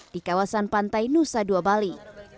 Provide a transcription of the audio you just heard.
di kawasan pantai nusa dua bali